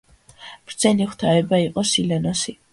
ბრძენი ღვთაება იყო სილენოსი.